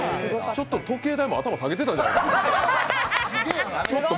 ちょっと時計台も頭下げてたんじゃないかと。